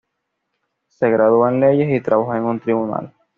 Se graduó en leyes y trabajó en un tribunal.